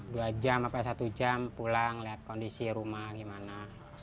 dua jam atau satu jam pulang lihat kondisi rumah gimana